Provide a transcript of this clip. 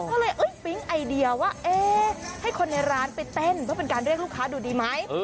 ก็เลยปิ๊งไอเดียว่าเอ๊ะให้คนในร้านไปเต้นเพื่อเป็นการเรียกลูกค้าดูดีไหม